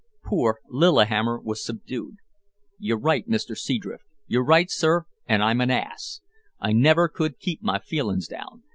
Poor Lillihammer was subdued. "You're right Mister Seadrift, you're right, sir, and I'm a ass. I never could keep my feelings down.